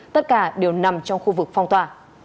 tất cả đều nằm trong khu vực phong tỏa